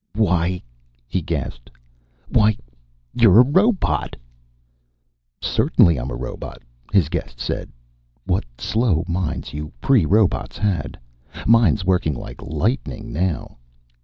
"Why " he gasped. "Why you're a robot!" "Certainly I'm a robot," his guest said. "What slow minds you pre robots had. Mine's working like lightning now."